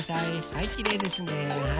はいきれいですね。